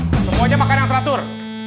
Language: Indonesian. semuanya makan yang teratur